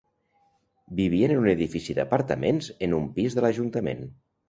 Vivien en un edifici d'apartaments, en un pis de l'ajuntament